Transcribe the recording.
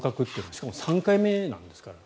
しかも３回目なんですから。